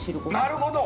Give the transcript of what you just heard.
なるほど。